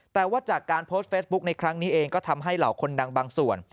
แต่ว่าจากการโพสต์เฟสบุ๊คในครั้งนี้เองก็ทำให้เหล่าคนดังบางส่วน